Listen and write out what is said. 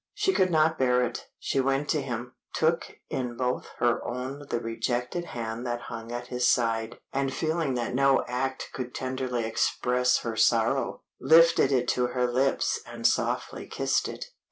She could not bear it, she went to him, took in both her own the rejected hand that hung at his side, and feeling that no act could too tenderly express her sorrow, lifted it to her lips and softly kissed it.